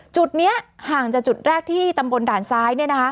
จุดนี้ห่างจากจุดแรกที่ตำบลด่านซ้าย